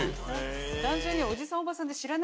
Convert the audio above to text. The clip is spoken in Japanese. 単純に。